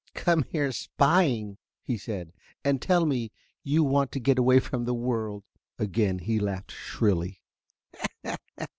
"Come here spying," he said, "and tell me you want to get away from the world." Again he laughed shrilly.